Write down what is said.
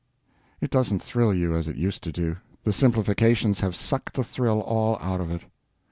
It doesn't thrill you as it used to do. The simplifications have sucked the thrill all out of it.